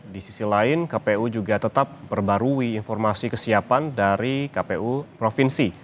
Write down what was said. di sisi lain kpu juga tetap perbarui informasi kesiapan dari kpu provinsi